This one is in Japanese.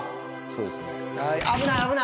そうですね。